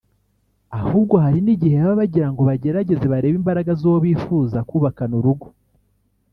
ahubwo hari n’igihe baba bagirango bagerageze barebe imbaraga z’uwo bifuza kubakana urugo